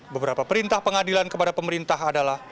beberapa perintah pengadilan kepada pemerintah adalah